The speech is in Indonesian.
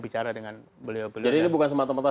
bicara dengan beliau beliau jadi ini bukan semata mata